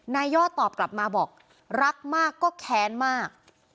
นายยอดตอบกลับมาบอกรักมากก็แค้นมาก